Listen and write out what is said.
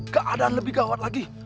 keadaan lebih gawat lagi